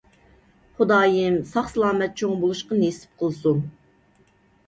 خۇدايىم ساق-سالامەت چوڭ بولۇشقا نېسىپ قىلسۇن.